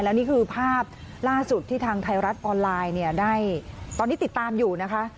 และนี่คือภาพล่าสุดที่ทางไทยรัฐออนไลน์เนี่ยได้ตอนนี้ติดตามอยู่นะคะ